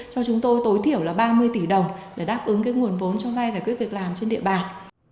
cho chúng tôi tối thiểu là ba mươi tỷ đồng để đáp ứng cái nguồn vốn cho vay giải quyết việc làm trên địa bàn